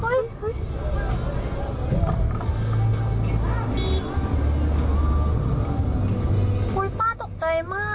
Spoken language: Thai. โอ้ยป้าตกใจมาก